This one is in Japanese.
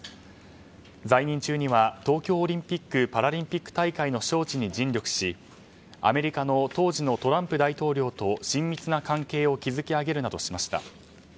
在任中には東京オリンピック・パラリンピック大会の招致に尽力し、アメリカの当時のトランプ大統領と親密な関係を築き上げるなどしました。